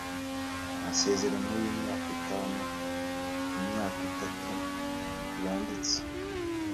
Amasezerano y’imyaka itanu (imyaka itatu yanditse